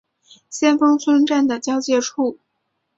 先锋村站的交界处。